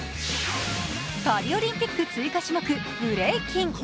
パリオリンピック追加種目ブレイキン。